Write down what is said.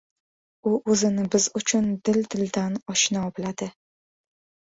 U o‘zini biz uchun dil-dildan oshno biladi.